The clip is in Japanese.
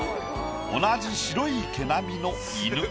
同じ白い毛並みの犬。